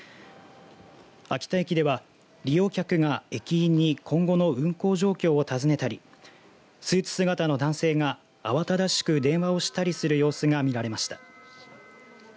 秋田駅では利用客が駅員に今後の運行状況を尋ねたりスーツ姿の男性があわただだしく電話をしたりする様子が見られました。